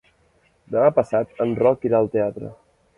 Demà passat en Roc irà al teatre.